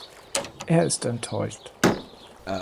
Er ist enttäuscht.